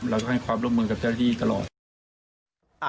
แล้วก็ให้ความร่วมมือกับเจ้าที่ตลอด